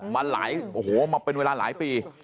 มาหลายโอ้โหมาเป็นเวลาหลายปี